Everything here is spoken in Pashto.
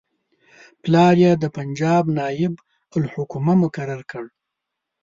پلار یې د پنجاب نایب الحکومه مقرر کړ.